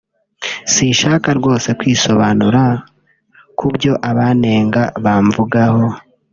Sinshaka rwose kwisobanura ku byo abanenga bamvugaho